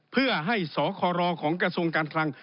เพื่อให้สครของกระทรวงการคลัง